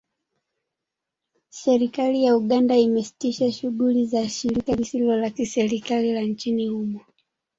Serikali ya Uganda imesitisha shughuli za shirika lisilo la kiserikali la nchini humo